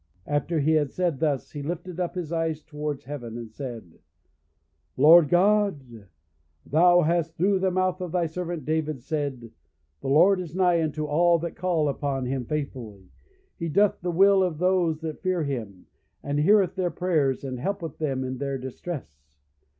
After he had said thus, he lifted up his eyes towards heaven, and said, "Lord God, thou hast through the mouth of thy servant David said, 'The Lord is nigh unto all that call upon him faithfully; he doth the will of those that fear him, and heareth their prayers, and helpeth them in their distress.